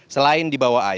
selain diberikan pengetahuan